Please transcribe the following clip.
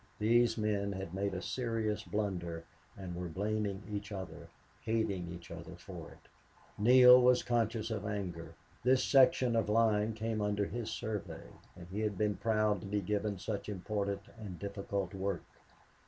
These men had made a serious blunder and were blaming each other, hating each other for it. Neale was conscious of anger. This section of line came under his survey, and he had been proud to be given such important and difficult work.